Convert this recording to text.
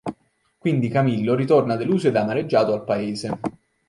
Quindi Camillo ritorna deluso ed amareggiato al paese.